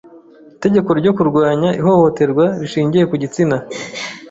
itegeko ryo kurwanya ihohoterwa rishingiye ku gitsina,